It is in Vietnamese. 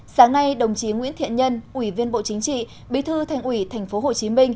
sáng nay đồng chí nguyễn thiện nhân ủy viên bộ chính trị bí thư thành ủy tp hcm